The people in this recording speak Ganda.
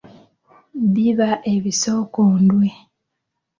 Biba ebisokondwe.